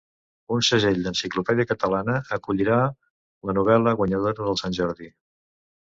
Un segell d'Enciclopèdia Catalana acollirà la novel·la guanyadora del Sant Jordi